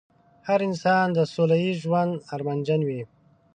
هر انسان د سوله ييز ژوند ارمانجن وي.